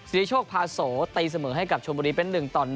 ริโชคพาโสตีเสมอให้กับชนบุรีเป็น๑ต่อ๑